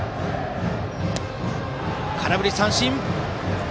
空振り三振！